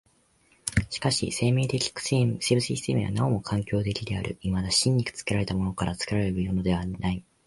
しかし生物的生命はなお環境的である、いまだ真に作られたものから作るものへではない。